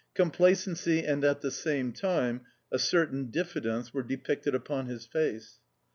Complacency and at the same time a certain diffidence were depicted upon his face.